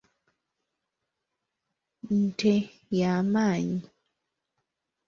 Nte yamannyi.